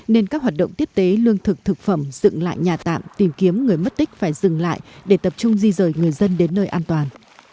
nên các hoạt động tiếp tế lương thực thực phẩm dựng lại nhà tạm tìm kiếm người mất tích phải dừng lại để tập trung di rời người dân đến nơi an toàn